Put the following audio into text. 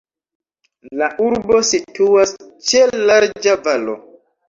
La urbo situas ĉe larĝa valo.